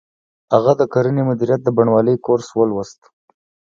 هغه د کرنې مدیریت د بڼوالۍ کورس ولوست